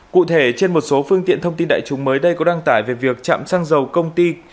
cụ thể trên một số phương tiện thông tin đại chúng mới đây có đăng tải về việc chạm xăng dầu công ty